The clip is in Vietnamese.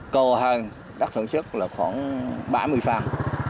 khô hơn đất sản xuất là khoảng ba mươi phần